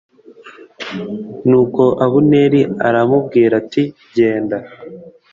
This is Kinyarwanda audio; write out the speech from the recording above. nuko abuneri aramubwira ati genda